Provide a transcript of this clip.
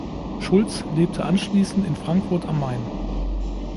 Schulz lebte anschließend in Frankfurt am Main.